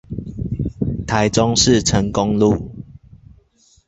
台中市成功路